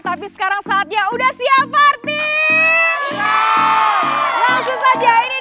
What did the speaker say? tapi sekarang saatnya udah siap partiii